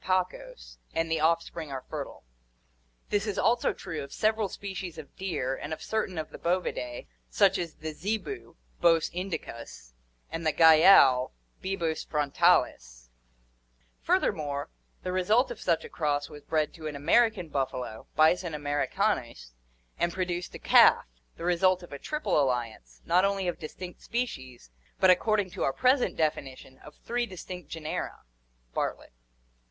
pacos, and the offspring are fertile. This is also true of several species of deer and of certain of the Bovidae, such as the zebu, Bos indicus, and the gayal, Bibos frontalis; furthermore, the result of such a cross was bred to an American buffalo, Bison americanus, and produced a calf, the result of a triple alliance, not only of distinct species, but, according to our present definition, of three distinct genera (Bart lett).